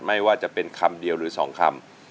ไม่ว่าจะเป็นคำเดียวหรือ๒คำ